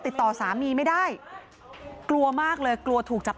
ปี๖๕วันเกิดปี๖๔ไปร่วมงานเช่นเดียวกัน